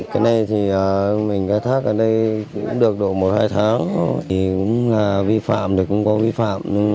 cái này thì mình khai thác ở đây cũng được độ một hai tháng thì cũng là vi phạm thì cũng có vi phạm